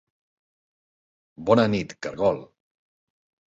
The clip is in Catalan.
Bona nit, caragol!